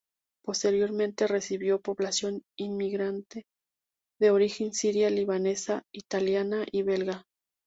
Posteriormente recibió población inmigrante de origen siria-libanesa, italiana y belga.